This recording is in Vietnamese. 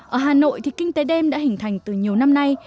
ở hà nội thì kinh tế đêm đã hình thành từ nhiều năm nay